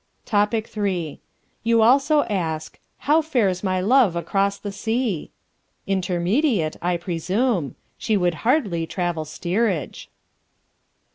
Topic III. You also ask, "How fares my love across the sea?" Intermediate, I presume. She would hardly travel steerage.